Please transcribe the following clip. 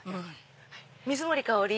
水森かおり！